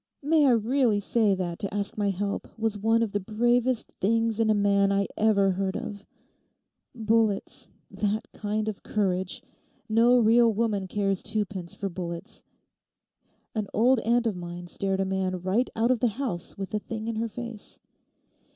May I really say that to ask my help was one of the bravest things in a man I ever heard of. Bullets—that kind of courage—no real woman cares twopence for bullets. An old aunt of mine stared a man right out of the house with the thing in her face.